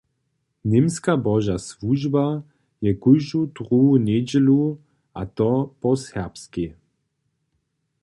Němska Boža słužba je kóždu druhu njedźelu, a to po serbskej.